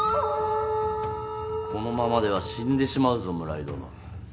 このままでは死んでしまうぞ村井殿